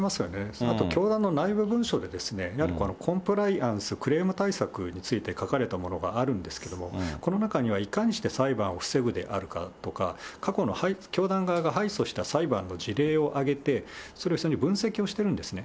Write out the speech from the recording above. そのあと教団の内部文書で、やはりコンプライアンス、クレーム対策について書かれたものがあるんですけれども、この中には、いかにして裁判を防ぐであるかとか、過去の教団側が敗訴した裁判の事例を挙げて、それを一緒に分析をしているんですね。